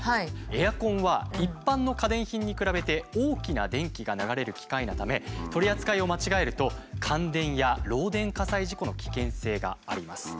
エアコンは一般の家電品に比べて大きな電気が流れる機械なため取り扱いを間違えると感電や漏電火災事故の危険性があります。